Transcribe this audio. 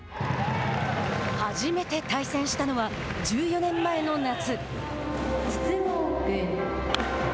初めて対戦したのは１４年前の夏。